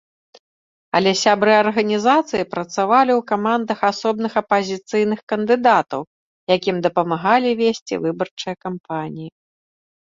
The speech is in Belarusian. Але сябры арганізацыі працавалі ў камандах асобных апазіцыйных кандыдатаў, якім дапамагалі весці выбарчыя кампаніі.